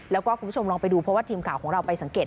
แล้วก็คุณผู้ชมลองไปดูเพราะว่าทีมข่าวของเราไปสังเกต